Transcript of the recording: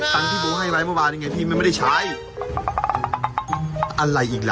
ตังค์ที่กูให้ไว้เมื่อวานยังไงพี่มันไม่ได้ใช้อะไรอีกล่ะ